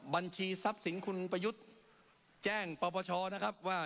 บัญชีทรัพย์สินคุณประยุทธ์แจ้งปปชนะครับว่า